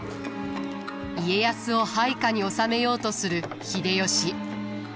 家康を配下に収めようとする秀吉。